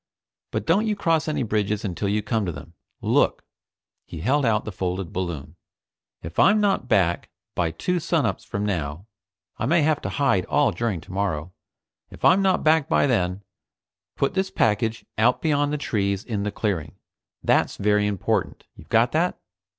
But don't you cross any bridges until you come to them. Look." He held out the folded balloon. "If I'm not back by two sunups from now I may have to hide all during tomorrow if I'm not back by then, put this package out beyond the trees in the clearing. That's very important. You've got that?"